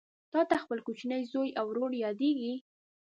تاته خپل کوچنی زوی او ورور یادیږي